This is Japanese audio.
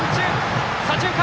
左中間。